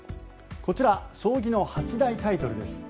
こちら将棋の八大タイトルです。